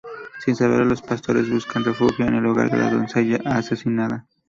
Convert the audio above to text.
Sin saberlo, los pastores buscan refugio en el hogar de la doncella asesinada.